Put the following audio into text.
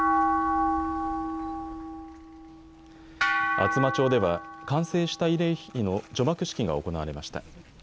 厚真町では完成した慰霊碑の除幕式が行われました。